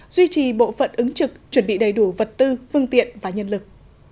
duy trì bộ phận ứng trực chuẩn bị đầy đủ vật tư phương tiện và nhân lực